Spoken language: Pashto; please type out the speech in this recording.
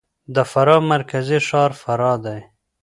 د فراه مرکزي ښار فراه دی.